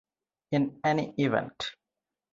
In any event.